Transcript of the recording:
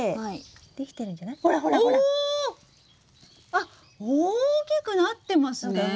あっ大きくなってますね！